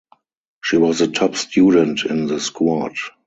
She was the top student in the squad.